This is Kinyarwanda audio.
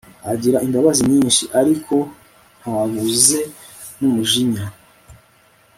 agira imbabazi nyinshi, ariko ntabuze n'umujinya